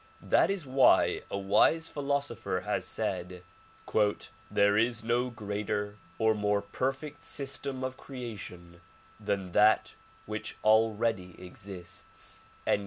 That is why a wise philosopher has said "There is no greater or more perfect system of creation than that which already exists."